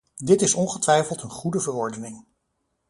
Dit is ongetwijfeld een goede verordening.